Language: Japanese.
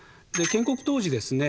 建国当時ですね